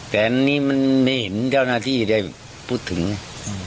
แต่อันนี้มันได้เห็นเจ้าหน้าที่ได้พูดถึง